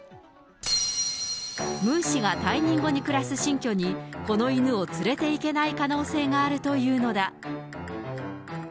ムン氏が退任後に暮らす新居に、この犬を連れていけない可能性があるというのだ。